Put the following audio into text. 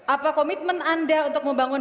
apa komitmen anda untuk membangun